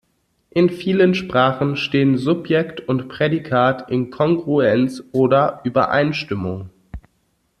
In vielen Sprachen stehen Subjekt und Prädikat in Kongruenz oder Übereinstimmung.